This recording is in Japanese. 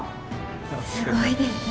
すごいです。